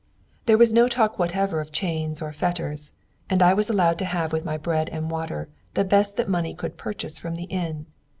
There was no talk whatever of chains or fetters, and I was allowed to have with my bread and water the best that money could purchase from the inn.